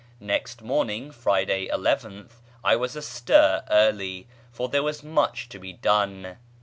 [page xxx] Next morning (Friday, 11th) I was astir early, for there was much to be done.